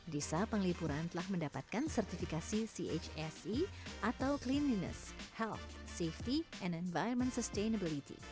desa penglipuran telah mendapatkan sertifikasi chse atau cleanliness health safety and environment sustainability